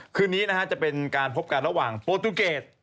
คืนนี้นะฮะจะเป็นการพบกันระหว่างโปรตูเกต